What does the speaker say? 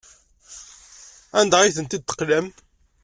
Anda ay tent-id-teqlam?